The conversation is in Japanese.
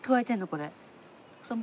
これ。